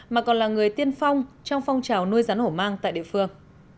mà còn là người tiên phong trong phong trào nuôi rắn hổ mang tại địa phương